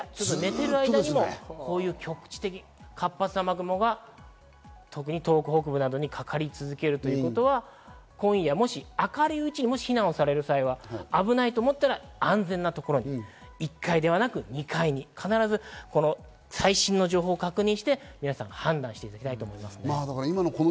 寝ている間にも活発な雨雲が特に東北北部などにかかり続けるということは、今夜、明るいうちに避難される際は危ないと思ったら安全なところに１階ではなく２階に、必ず最新の情報を確認して皆さん、判断していただきたいと思います。